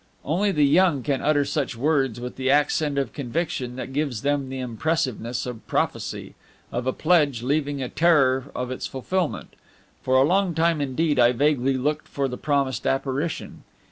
Only the young can utter such words with the accent of conviction that gives them the impressiveness of prophecy, of a pledge, leaving a terror of its fulfilment. For a long time indeed I vaguely looked for the promised apparition.